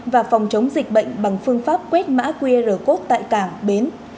và phòng chống dịch bệnh bằng phương pháp quét mã qr code tại cảng bến